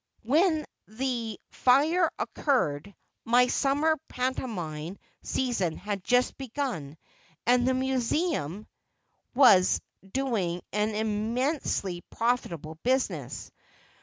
When the fire occurred, my summer pantomime season had just begun and the Museum was doing an immensely profitable business.